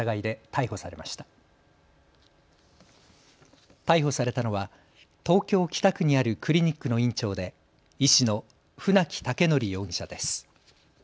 逮捕されたのは東京北区にあるクリニックの院長で医師の船木威徳容疑者です。